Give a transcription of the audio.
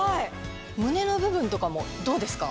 胸の部分とかもどうですか？